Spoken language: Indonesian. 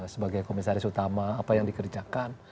sebagai komisaris utama apa yang dikerjakan